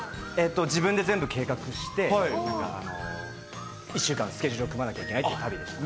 自分で全部計画して、１週間スケジュールを組まなきゃいけないという旅でした。